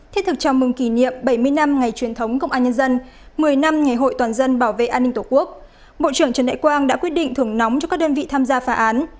thế thực chào mừng kỷ niệm bảy mươi năm ngày truyền thống công an nhân dân một mươi năm ngày hội toàn dân bảo vệ an ninh tổ quốc bộ trưởng trần đại quang đã quyết định thưởng nóng cho các đơn vị tham gia phá án